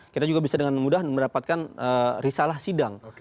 kita juga bisa dengan mudah mendapatkan risalah sidang